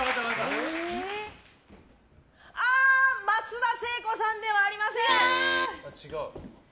松田聖子さんではありません。